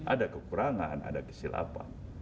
ada kekurangan ada kesilapan